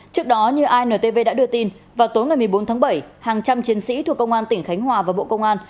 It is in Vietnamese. trước đó như intv đã đưa tin vào tối ngày một mươi bốn tháng bảy hàng trăm chiến sĩ thuộc công an tỉnh khánh hòa và bộ công an